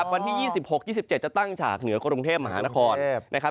วันที่๒๖๒๗ก็จะตั้งฉากเหนือกรุงเทพฯมหาหน้าภอด